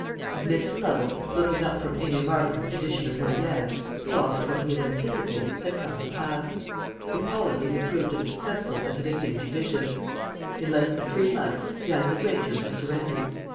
And Mr. Lovel, looking up from Aimé Martin's edition of Molière, saw that what he had anticipated had come to pass. His policy had proved as successful as it had been judicious. In less than three months Daniel Granger had surrendered.